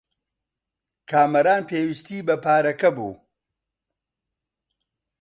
کامەران پێویستیی بە پارەکە بوو.